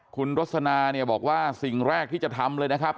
คุณรสนาเนี่ยบอกว่าสิ่งแรกที่จะทำเลยนะครับ